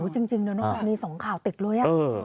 จริงดูนอกมีสองข่าวติดเลย